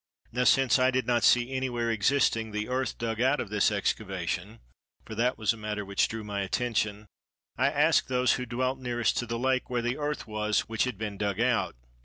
Now since I did not see anywhere existing the earth dug out of this excavation (for that was a matter which drew my attention), I asked those who dwelt nearest to the lake where the earth was which had been dug out.